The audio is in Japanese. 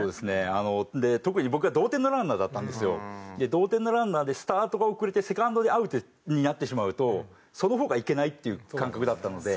同点のランナーでスタートが遅れてセカンドでアウトになってしまうとその方がいけないっていう感覚だったので。